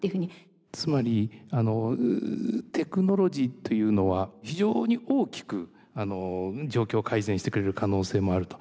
つまりテクノロジーというのは非常に大きく状況を改善してくれる可能性もあると。